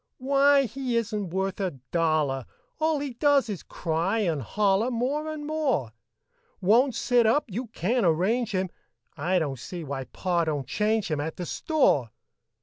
Why, he isn't worth a dollar! All he does is cry and holler More and more; Won't sit up you can't arrange him, I don't see why Pa do'n't change him At the store.